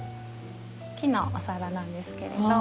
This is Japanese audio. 木のお皿なんですけれど。